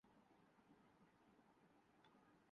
اور پھر میرے جسم کے ٹکڑے ٹکڑے کر دیے جاتے ہیں